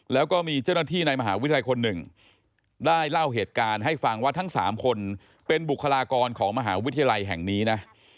แล้วก็มีเจ้าหน้าที่ในมหาวิทยาลัยคนหนึ่งได้เล่าเหตุการณ์ให้ฟังว่าทั้ง๓คนเป็นบุคลากรของมหาวิทยาลัยแห่งนี้นะ